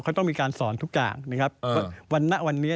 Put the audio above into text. วันหน้าวันนี้